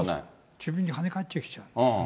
自分にはね返ってきちゃうよね。